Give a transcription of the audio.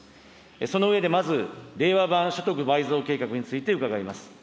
その上でまず、令和版所得倍増計画について伺います。